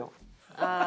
ああ。